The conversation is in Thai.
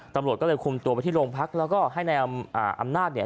ตำรวจก็เลยคุมตัวไปที่โรงพักแล้วก็ให้นายอำนาจเนี่ย